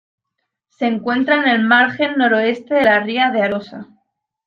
Se encuentra en el margen noroeste de la ría de Arosa.